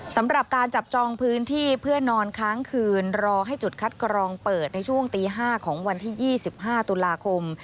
สำหรับการจับจองพื้นที่เพื่อนอนค้างคืนรอให้จุดคัดกรองเปิดในช่วงตี๕ของวันที่๒๕ตุลาคม